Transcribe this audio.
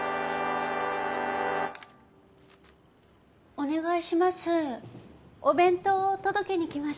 お願いします